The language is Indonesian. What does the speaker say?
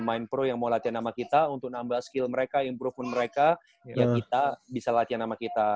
jadi kalo siapa ada pemain pro yang mau latihan sama kita untuk nambah skill mereka improve pun mereka ya kita bisa latihan sama kita